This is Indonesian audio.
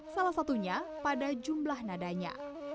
salah satunya pada jumlah nadanya